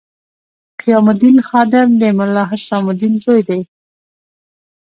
قیام الدین خادم د ملا حسام الدین زوی دی.